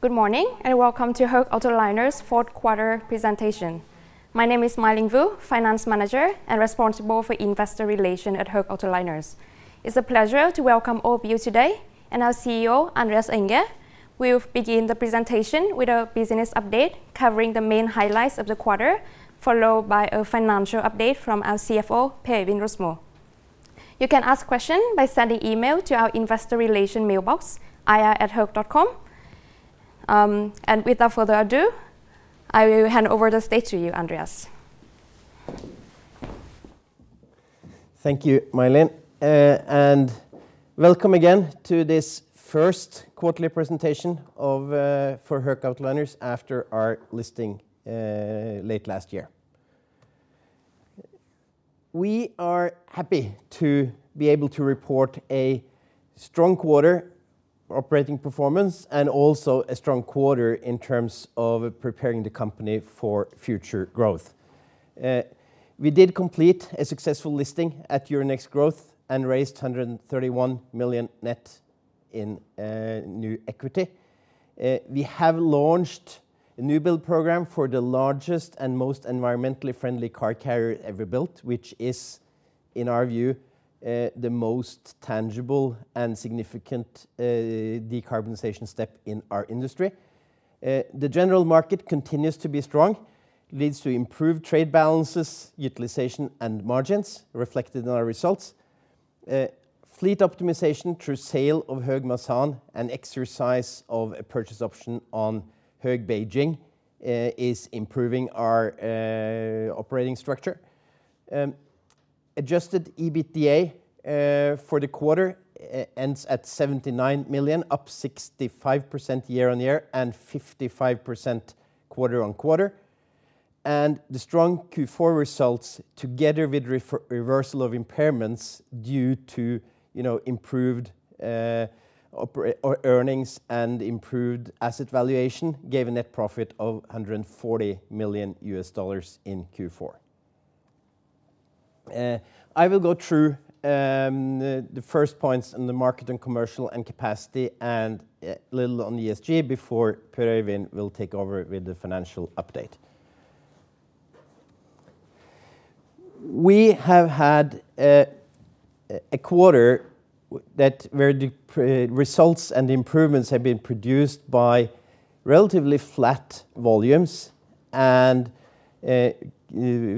Good morning, and welcome to Höegh Autoliners' Fourth quarter presentation. My name is My Linh Vu, Finance Manager and responsible for investor relation at Höegh Autoliners. It's a pleasure to welcome all of you today, and our CEO, Andreas Enger, will begin the presentation with a business update covering the main highlights of the quarter, followed by a financial update from our CFO, Per Øivind Rosmo. You can ask questions by sending email to our investor relation mailbox, ir@hoegh.com. Without further ado, I will hand over the stage to you, Andreas. Thank you, My Linh, and welcome again to this first quarterly presentation of, for Höegh Autoliners after our listing, late last year. We are happy to be able to report a strong quarter operating performance and also a strong quarter in terms of preparing the company for future growth. We did complete a successful listing at Euronext Growth and raised $131 million net in new equity. We have launched a newbuild program for the largest and most environmentally friendly car carrier ever built, which is, in our view, the most tangible and significant, decarbonization step in our industry. The general market continues to be strong, leads to improved trade balances, utilization, and margins reflected in our results. Fleet optimization through sale of Höegh Masan and exercise of a purchase option on Höegh Beijing is improving our operating structure. Adjusted EBITDA for the quarter ends at $79 million, up 65% year-over-year and 55% quarter-over-quarter. And the strong Q4 results, together with reversal of impairments due to, you know, improved operating earnings and improved asset valuation, gave a net profit of $140 million in Q4. I will go through the first points on the market and commercial and capacity, and a little on ESG before Per Øivind will take over with the financial update. We have had a quarter where the results and improvements have been produced by relatively flat volumes and a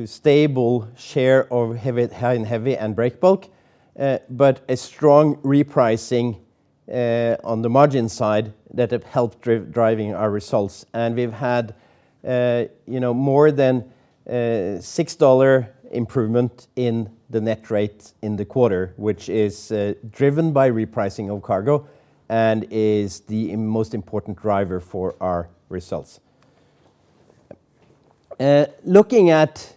stable share of high and heavy and breakbulk, but a strong repricing on the margin side that have helped driving our results. We've had, you know, more than $6 improvement in the net rate in the quarter, which is driven by repricing of cargo and is the most important driver for our results. Looking at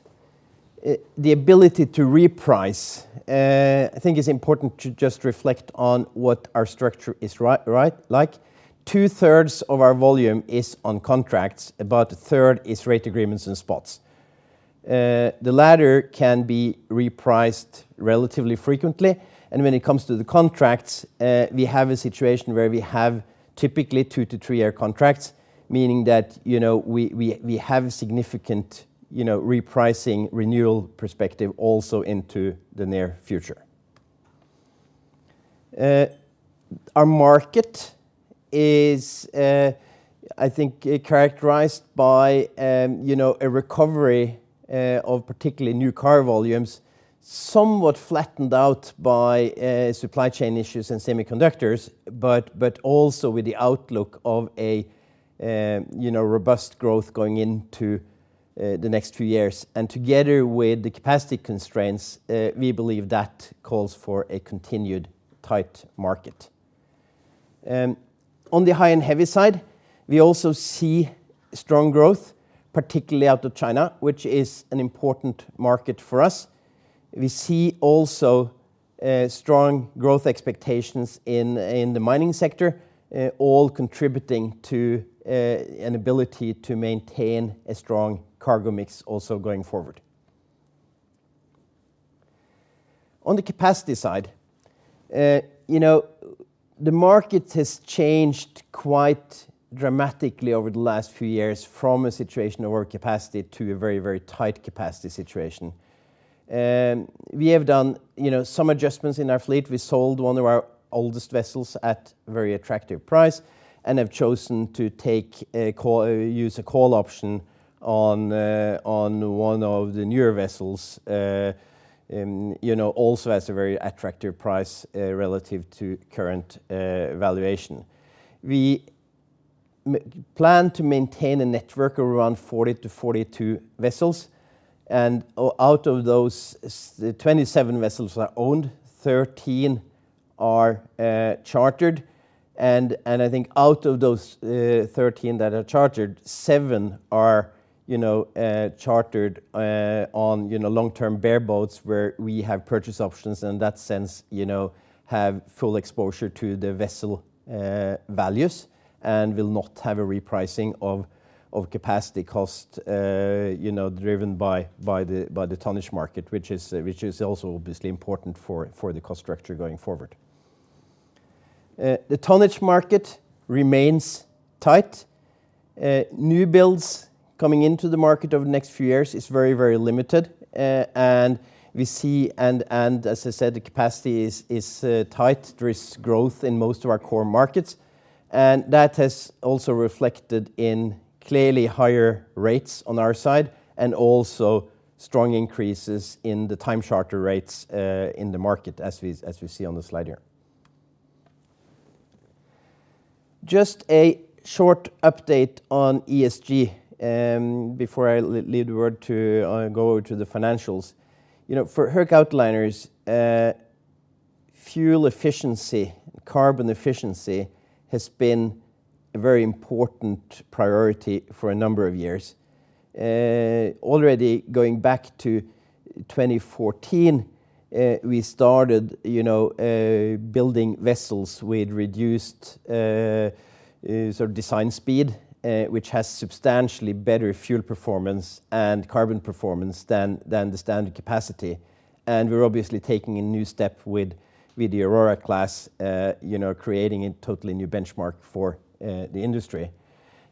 the ability to reprice, I think it's important to just reflect on what our structure is right, like. Two-thirds of our volume is on contracts, about 1/3 is rate agreements and spots. The latter can be repriced relatively frequently, and when it comes to the contracts, we have a situation where we have typically 2 to 3 year contracts, meaning that, you know, we have significant, you know, repricing renewal perspective also into the near future. Our market is, I think characterized by, you know, a recovery of particularly new car volumes, somewhat flattened out by supply chain issues and semiconductors, but also with the outlook of a, you know, robust growth going into the next few years. And together with the capacity constraints, we believe that calls for a continued tight market. On the high and heavy side, we also see strong growth, particularly out of China, which is an important market for us. We see also strong growth expectations in, in the mining sector, all contributing to an ability to maintain a strong cargo mix also going forward. On the capacity side, you know, the market has changed quite dramatically over the last few years from a situation of overcapacity to a very, very tight capacity situation. And we have done, you know, some adjustments in our fleet. We sold one of our oldest vessels at a very attractive price and have chosen to take a call, use a call option on, on one of the newer vessels, you know, also at a very attractive price, relative to current valuation. We plan to maintain a network of around 40 to 42 vessels, and out of those, 27 vessels are owned, 13 are chartered. I think out of those 13 that are chartered, seven are, you know, chartered on, you know, long-term bareboats where we have purchase options, in that sense, you know, have full exposure to the vessel values and will not have a repricing of capacity cost, you know, driven by the tonnage market, which is also obviously important for the cost structure going forward. The tonnage market remains tight. New builds coming into the market over the next few years is very, very limited. And as I said, the capacity is tight. There is growth in most of our core markets, and that has also reflected in clearly higher rates on our side, and also strong increases in the time charter rates in the market as we see on the slide here. Just a short update on ESG before I leave the word to go to the financials. You know, for Höegh Autoliners, fuel efficiency, carbon efficiency has been a very important priority for a number of years. Already going back to 2014, we started, you know, building vessels with reduced sort of design speed, which has substantially better fuel performance and carbon performance than the standard capacity. And we're obviously taking a new step with the Aurora Class, you know, creating a totally new benchmark for the industry.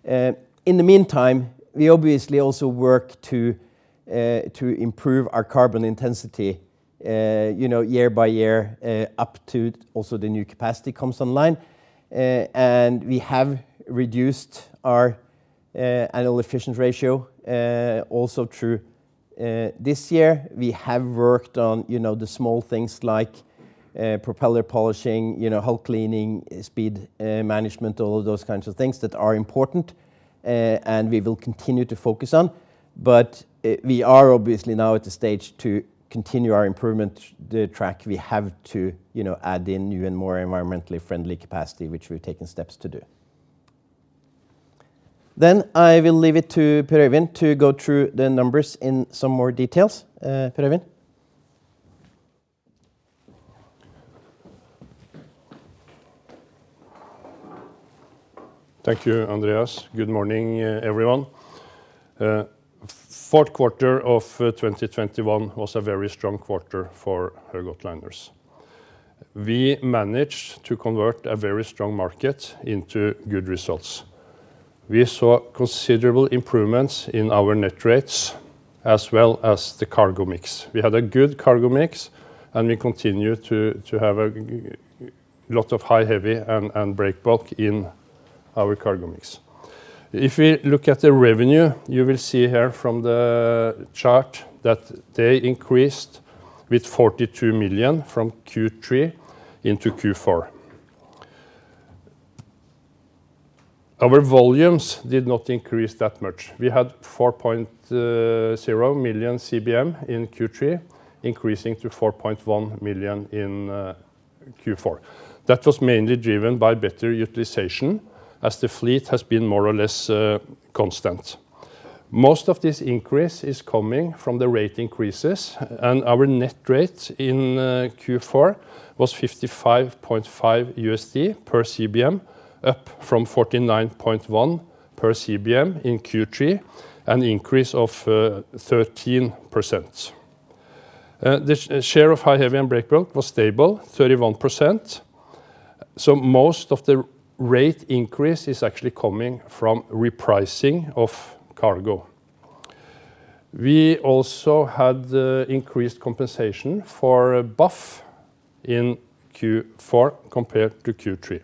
In the meantime, we obviously also work to improve our carbon intensity, you know, year by year, up to also the new capacity comes online. And we have reduced our Annual Efficiency Ratio, also through this year. We have worked on, you know, the small things like propeller polishing, you know, hull cleaning, speed management, all of those kinds of things that are important, and we will continue to focus on. But we are obviously now at the stage to continue our improvement, the track we have to, you know, add in new and more environmentally friendly capacity, which we've taken steps to do. Then I will leave it to Per Øivind to go through the numbers in some more details. Per Øivind? Thank you, Andreas. Good morning, everyone. Fourth quarter of 2021 was a very strong quarter for Höegh Autoliners. We managed to convert a very strong market into good results. We saw considerable improvements in our net rates as well as the cargo mix. We had a good cargo mix, and we continued to have a lot of high and heavy and breakbulk in our cargo mix. If we look at the revenue, you will see here from the chart that they increased with $ 42 million from Q3 into Q4. Our volumes did not increase that much. We had 4.0 million CBM in Q3, increasing to 4.1 million in Q4. That was mainly driven by better utilization, as the fleet has been more or less constant. Most of this increase is coming from the rate increases, and our net rate in Q4 was $ 55.5 per CBM, up from $ 49.1 per CBM in Q3, an increase of 13%. The share of high, heavy, and breakbulk was stable, 31%, so most of the rate increase is actually coming from repricing of cargo. We also had increased compensation for a BAF in Q4 compared to Q3.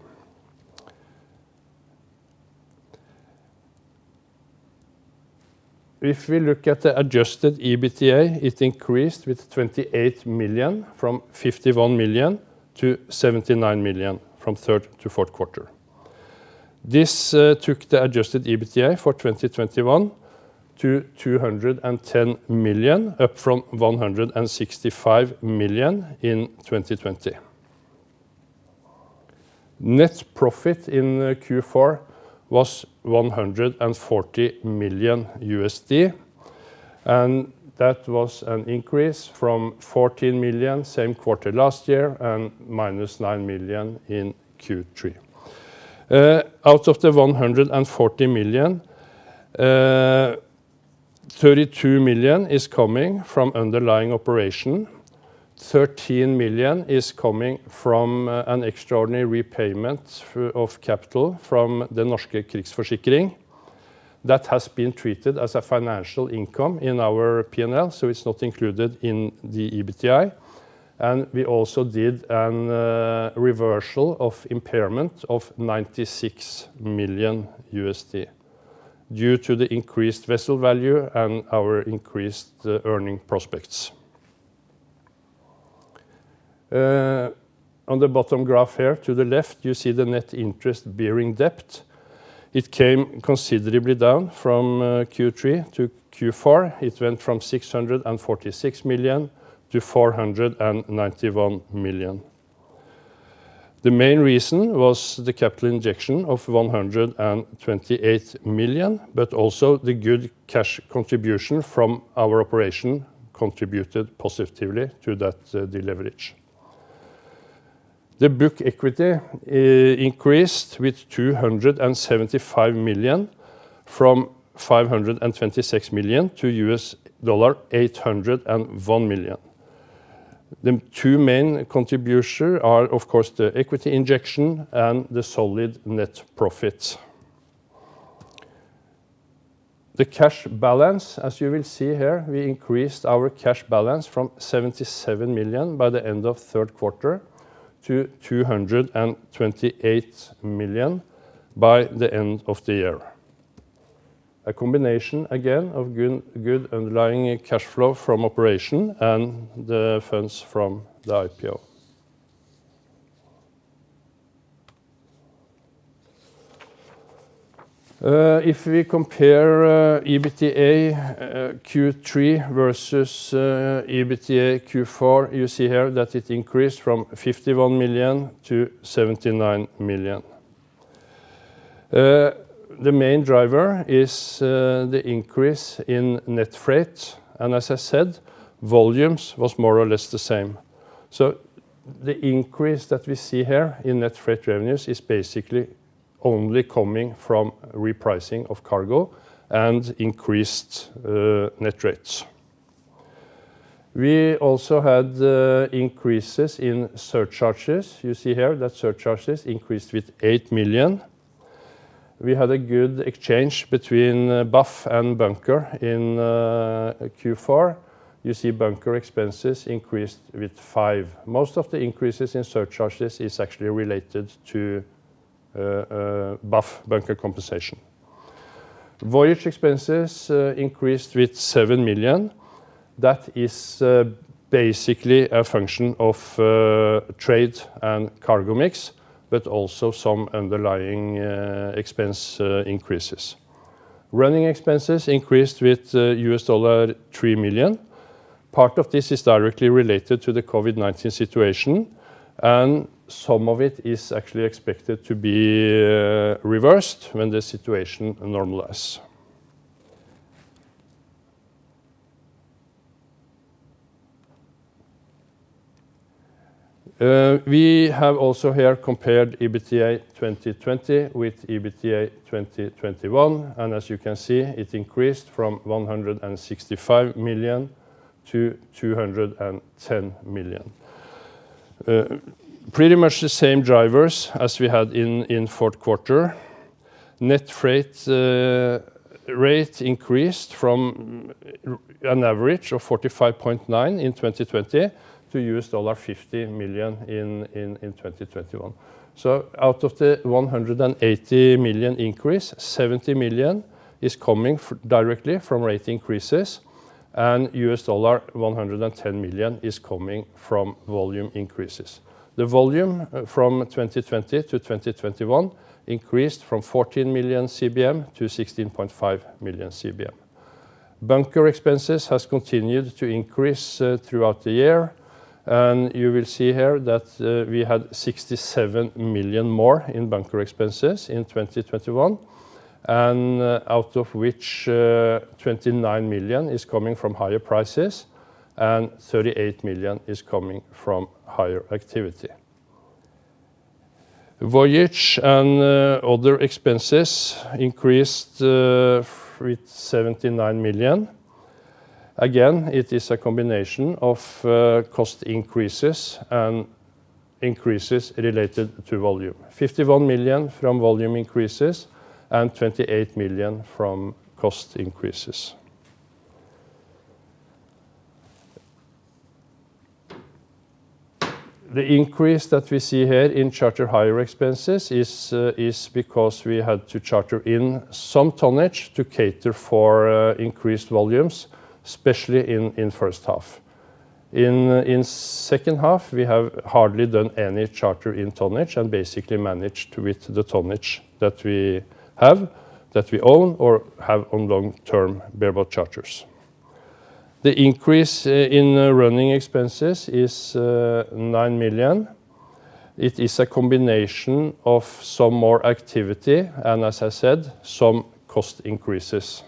If we look at the adjusted EBITDA, it increased with $ 28 million, from $ 51 million to $ 79 million from third to fourth quarter. This took the adjusted EBITDA for 2021 to $ 210 million, up from $ 165 million in 2020. Net profit in Q4 was $140 million, and that was an increase from $14 million same quarter last year, and -$9 million in Q3. Out of the $140 million, $32 million is coming from underlying operation. $13 million is coming from an extraordinary repayment of capital from the Norske Krigsforsikring. That has been treated as a financial income in our P&L, so it's not included in the EBITDA. We also did an reversal of impairment of $96 million due to the increased vessel value and our increased earning prospects. On the bottom graph here to the left, you see the net interest bearing debt. It came considerably down from Q3 to Q4. It went from $ 646 million to $ 491 million. The main reason was the capital injection of $ 128 million, but also the good cash contribution from our operation contributed positively to that deleverage. The book equity increased with $275 million from $526 million to $801 million. The two main contribution are, of course, the equity injection and the solid net profit. The cash balance, as you will see here, we increased our cash balance from $77 million by the end of third quarter to $228 million by the end of the year. A combination, again, of good underlying cash flow from operation and the funds from the IPO. If we compare EBITDA Q3 versus EBITDA Q4, you see here that it increased from $51 million to $79 million. The main driver is the increase in net freight, and as I said, volumes was more or less the same. So the increase that we see here in net freight revenues is basically only coming from repricing of cargo and increased net rates. We also had increases in surcharges. You see here that surcharges increased with $8 million. We had a good exchange between BAF and bunker in Q4. You see bunker expenses increased with $5 million. Most of the increases in surcharges is actually related to BAF bunker compensation. Voyage expenses increased with $7 million. That is basically a function of trade and cargo mix, but also some underlying expense increases. Running expenses increased with $3 million. Part of this is directly related to the COVID-19 situation, and some of it is actually expected to be reversed when the situation normalizes. We have also here compared EBITDA 2020 with EBITDA 2021, and as you can see, it increased from $165 million to $210 million. Pretty much the same drivers as we had in fourth quarter. Net freight rate increased from an average of $45.9 in 2020 to $50 in 2021. So out of the $180 million increase, $70 million is coming directly from rate increases, and $110 million is coming from volume increases. The volume from 2020 to 2021 increased from 14 million CBM to 16.5 million CBM. Bunker expenses has continued to increase throughout the year, and you will see here that we had $67 million more in bunker expenses in 2021, and out of which, $29 million is coming from higher prices and $38 million is coming from higher activity. Voyage and other expenses increased with $79 million. Again, it is a combination of cost increases and increases related to volume. $51 million from volume increases and $28 million from cost increases. The increase that we see here in charter hire expenses is because we had to charter in some tonnage to cater for increased volumes, especially in first half. In second half, we have hardly done any charter in tonnage and basically managed with the tonnage that we have, that we own, or have on long-term bareboat charters. The increase in running expenses is $9 million. It is a combination of some more activity and, as I said, some cost increases.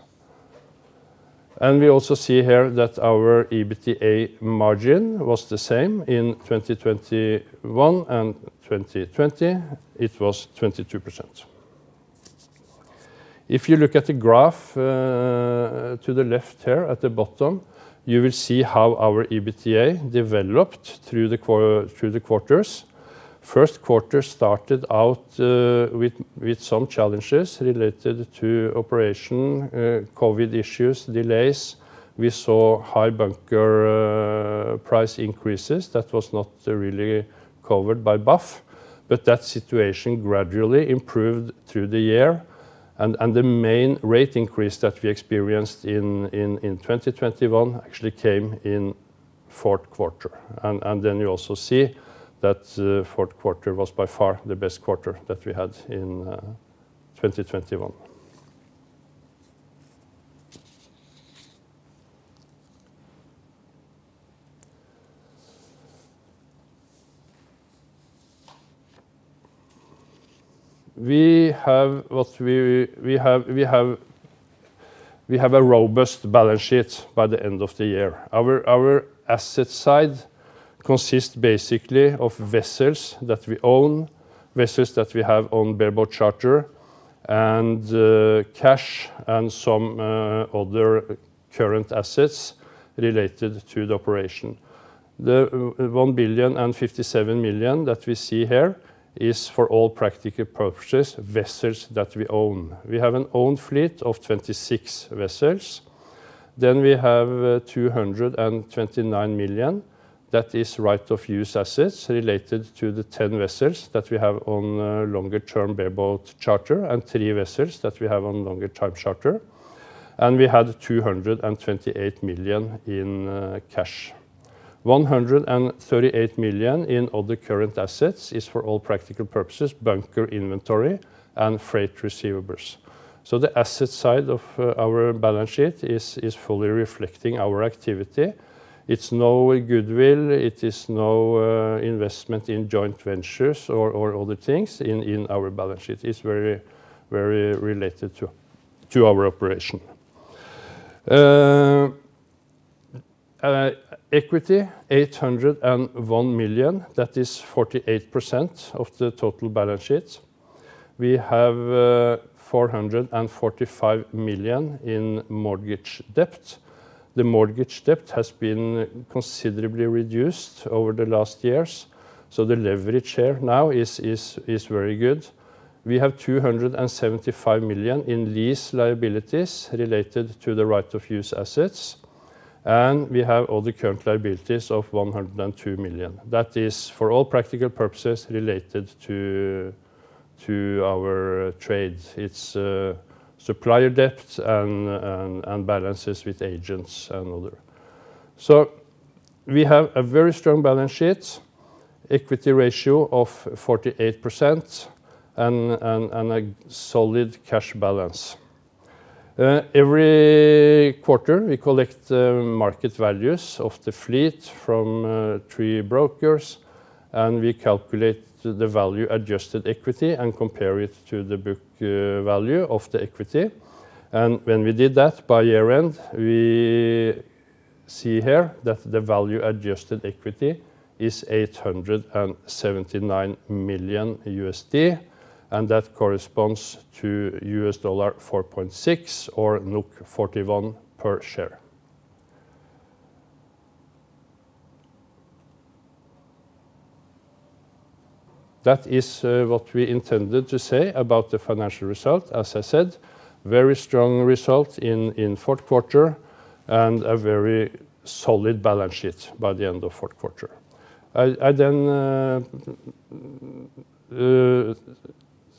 And we also see here that our EBITDA margin was the same in 2021 and 2020. It was 22%. If you look at the graph to the left here at the bottom, you will see how our EBITDA developed through the quarters. First quarter started out with some challenges related to operational COVID issues, delays. We saw high bunker price increases that was not really covered by BAF, but that situation gradually improved through the year. And the main rate increase that we experienced in 2021 actually came in fourth quarter. And then you also see that fourth quarter was by far the best quarter that we had in 2021. We have a robust balance sheet by the end of the year. Our asset side consists basically of vessels that we own, vessels that we have on bareboat charter, and cash and some other current assets related to the operation. The $1.057 billion that we see here is, for all practical purposes, vessels that we own. We have an owned fleet of 26 vessels. Then we have $229 million that is right-of-use assets related to the 10 vessels that we have on a longer-term bareboat charter and 3 vessels that we have on longer-term charter, and we had $228 million in cash. $138 million in other current assets is, for all practical purposes, bunker inventory and freight receivables. So the asset side of our balance sheet is fully reflecting our activity. It's no goodwill. It is no investment in joint ventures or other things in our balance sheet. It's very, very related to our operation. Equity, $801 million, that is 48% of the total balance sheet. We have $445 million in mortgage debt. The mortgage debt has been considerably reduced over the last years, so the leverage here now is very good. We have $275 million in lease liabilities related to the right of use assets, and we have all the current liabilities of $102 million. That is, for all practical purposes, related to our trades. It's supplier debt and balances with agents and other. So we have a very strong balance sheet, equity ratio of 48%, and a solid cash balance. Every quarter, we collect the market values of the fleet from three brokers, and we calculate the value-adjusted equity and compare it to the book value of the equity. And when we did that by year-end, we see here that the value-adjusted equity is $879 million, and that corresponds to $4.6 or 41 per share. That is what we intended to say about the financial result. As I said, very strong result in fourth quarter and a very solid balance sheet by the end of fourth quarter. I then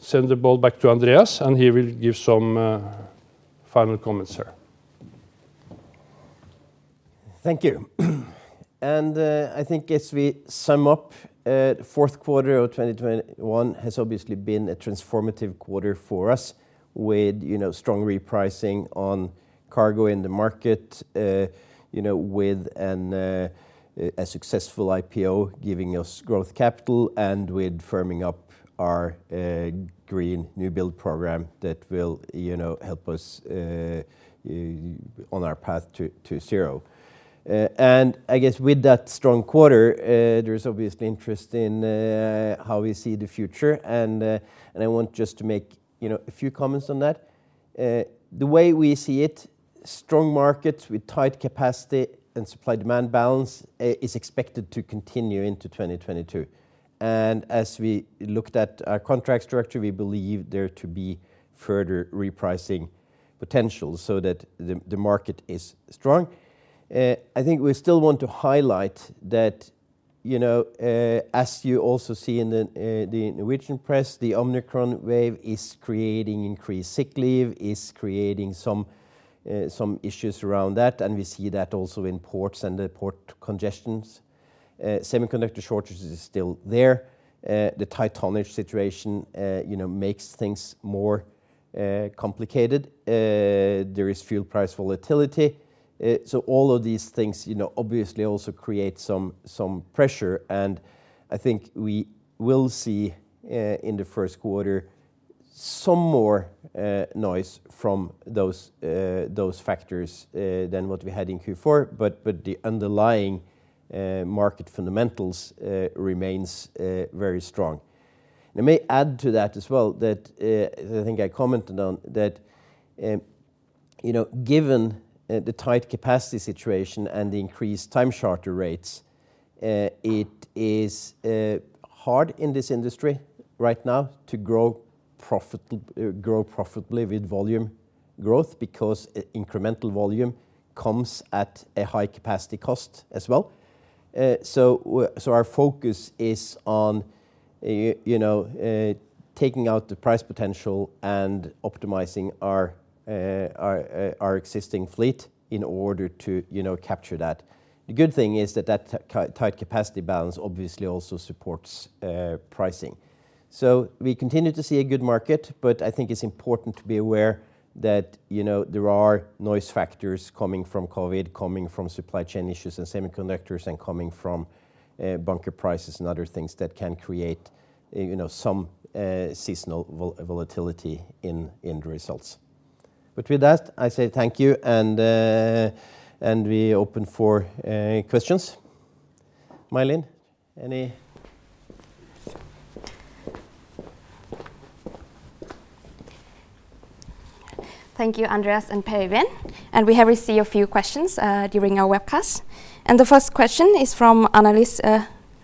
send the ball back to Andreas, and he will give some final comments here. Thank you. And, I think as we sum up, fourth quarter of 2021 has obviously been a transformative quarter for us with, you know, strong repricing on cargo in the market, you know, with a successful IPO giving us growth capital, and with firming up our green new-build program that will, you know, help us on our path to zero. And I guess with that strong quarter, there is obviously interest in how we see the future, and I want just to make, you know, a few comments on that. The way we see it, strong markets with tight capacity and supply-demand balance is expected to continue into 2022. As we looked at our contract structure, we believe there to be further repricing potential so that the market is strong. I think we still want to highlight that, you know, as you also see in the Norwegian press, the Omicron wave is creating increased sick leave, is creating some issues around that, and we see that also in ports and the port congestions. Semiconductor shortages is still there. The tight tonnage situation, you know, makes things more complicated. There is fuel price volatility. So all of these things, you know, obviously also create some pressure, and I think we will see in the first quarter some more noise from those factors than what we had in Q4, but the underlying market fundamentals remains very strong. I may add to that as well that I think I commented on that you know given the tight capacity situation and the increased time charter rates it is hard in this industry right now to grow profitably with volume growth because incremental volume comes at a high capacity cost as well. So our focus is on you know taking out the price potential and optimizing our existing fleet in order to you know capture that. The good thing is that that tight capacity balance obviously also supports pricing. So we continue to see a good market, but I think it's important to be aware that, you know, there are noise factors coming from COVID, coming from supply chain issues and semiconductors, and coming from bunker prices and other things that can create, you know, some seasonal volatility in the results. But with that, I say thank you, and we open for questions. My Linh, any? Thank you, Andreas and Per Øivind. We have received a few questions during our webcast. The first question is from analyst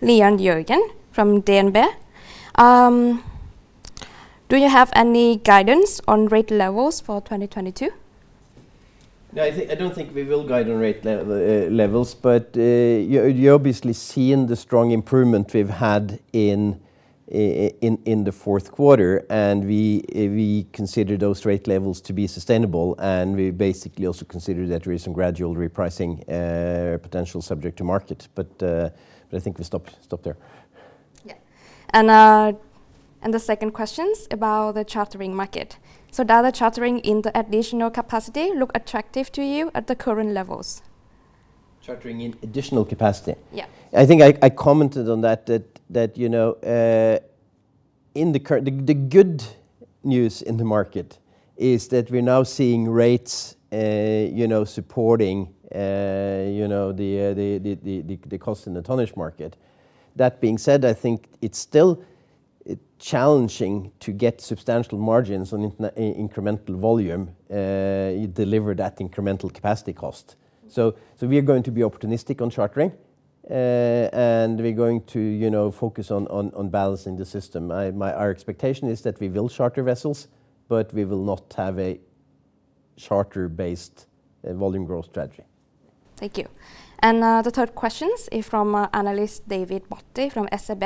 Jørgen Lian from DNB. Do you have any guidance on rate levels for 2022? No, I think I don't think we will guide on rate levels, but you, you're obviously seeing the strong improvement we've had in the fourth quarter, and we consider those rate levels to be sustainable, and we basically also consider that there is some gradual repricing potential subject to market. But I think we stop there. Yeah. And, and the second question's about the chartering market. So does the chartering in the additional capacity look attractive to you at the current levels? Chartering in additional capacity? Yeah. I think I commented on that, you know. The good news in the market is that we're now seeing rates, you know, supporting, you know, the cost in the tonnage market. That being said, I think it's still challenging to get substantial margins on incremental volume, deliver that incremental capacity cost. Mm. So, we're going to be opportunistic on chartering, and we're going to, you know, focus on balancing the system. Our expectation is that we will charter vessels, but we will not have a charter-based volume growth strategy. Thank you. The third question is from analyst David Bhatti from SEB.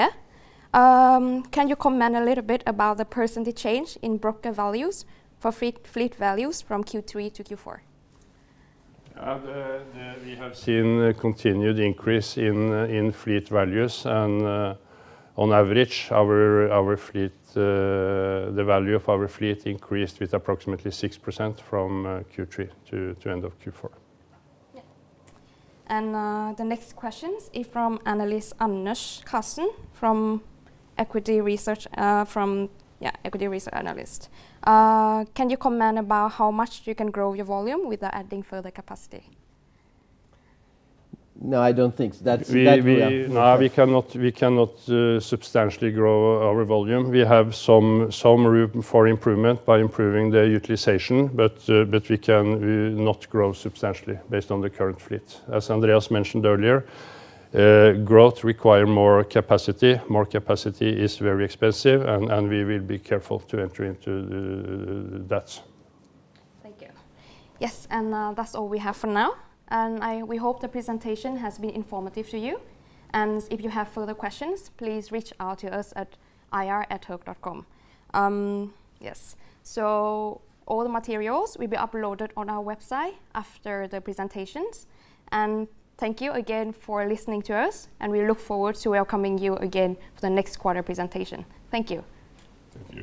Can you comment a little bit about the percentage change in broker values for fleet, fleet values from Q3 to Q4? We have seen a continued increase in fleet values and, on average, the value of our fleet increased with approximately 6% from Q3 to end of Q4. Yeah. The next question is from analyst Anders Karlsen from equity research, equity research analyst. Can you comment about how much you can grow your volume without adding further capacity? No, I don't think that's, that we are- No, we cannot substantially grow our volume. We have some room for improvement by improving the utilization, but we can not grow substantially based on the current fleet. As Andreas mentioned earlier, growth require more capacity. More capacity is very expensive, and we will be careful to enter into the that. Thank you. Yes, and that's all we have for now, and we hope the presentation has been informative to you. And if you have further questions, please reach out to us at ir@hoegh.com. Yes, so all the materials will be uploaded on our website after the presentations. And thank you again for listening to us, and we look forward to welcoming you again for the next quarter presentation. Thank you. Thank you.